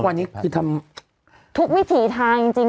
วันนี้คือทำทุกวิถีทางจริง